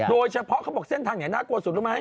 เขาบอกเส้นทางไหนน่ากลัวสุดรู้ไหม